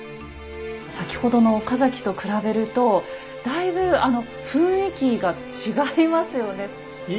先ほどの岡崎と比べるとだいぶ雰囲気が違いますよね。